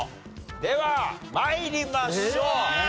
では参りましょう。